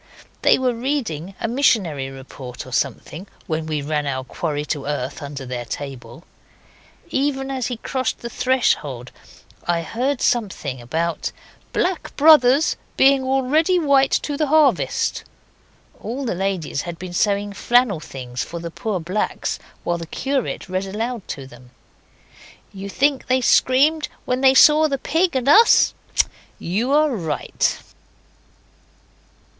They were reading a missionary report or something when we ran our quarry to earth under their table. Even as he crossed the threshold I heard something about 'black brothers being already white to the harvest'. All the ladies had been sewing flannel things for the poor blacks while the curate read aloud to them. You think they screamed when they saw the Pig and Us? You are right.